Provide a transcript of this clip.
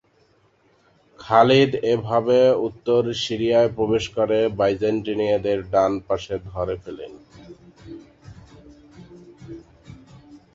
খালিদ এভাবে উত্তর সিরিয়ায় প্রবেশ করে বাইজেন্টাইনদের ডান পাশে ধরে ফেলেন।